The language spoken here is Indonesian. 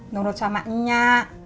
nurut sama nyak